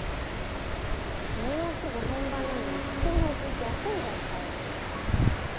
もうすぐ本番なのに貴重な一日休んじゃったよ。